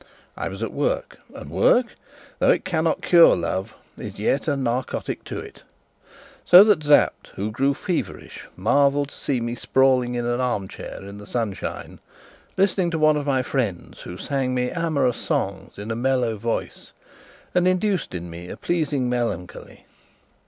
I was at work; and work, though it cannot cure love, is yet a narcotic to it; so that Sapt, who grew feverish, marvelled to see me sprawling in an armchair in the sunshine, listening to one of my friends who sang me amorous songs in a mellow voice and induced in me a pleasing melancholy.